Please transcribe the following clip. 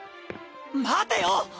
待てよ！